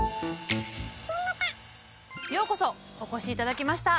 ようこそお越し頂きました。